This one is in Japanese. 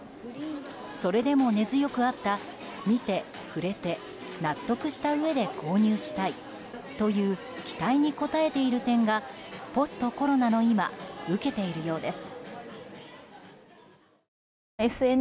それでも、根強くあった見て、触れて納得したうえで購入したいという期待に応えている点がポストコロナの今受けているようです。